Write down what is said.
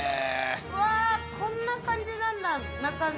うわあこんな感じなんだ中身。